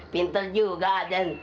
pinter juga den